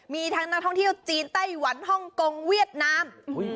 มีทั้งนักท่องเที่ยวจีนไต้หวันฮ่องกงเวียดนาม